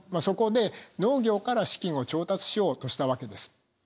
そこで農業から資金を調達しようとしたわけです。